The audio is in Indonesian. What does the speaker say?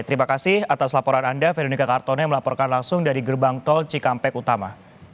terima kasih atas laporan anda verika kartono yang melaporkan langsung dari gerbang tol cikampek utama